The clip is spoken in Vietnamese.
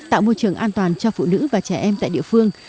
tạo môi trường an toàn cho phụ nữ và trẻ em tại địa phương